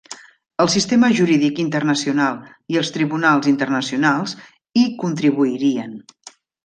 El sistema jurídic internacional i els tribunals internacionals hi contribuirien.